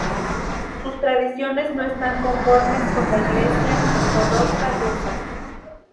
Sus tradiciones no están conformes con la Iglesia ortodoxa rusa.